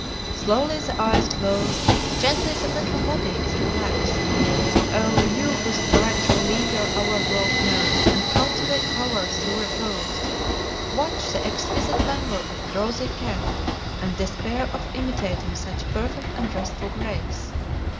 Slowly the eyes close, gently the little body is relaxed. Oh, you who strive to relieve your overwrought nerves and cultivate power through repose, watch the exquisite languor of a drowsy cat, and despair of imitating such perfect and restful grace.